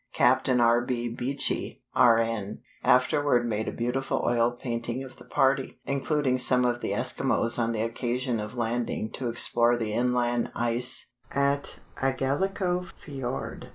Captain R. B. Beechey, R.N., afterward made a beautiful oil painting of the party, including some of the Eskimos on the occasion of landing to explore the inland ice at Igaliko Fiord (see Fig.